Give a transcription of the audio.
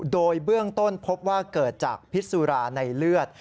โดยเบื้องต้นพบว่าเกิดจากพิษสุราในเลือด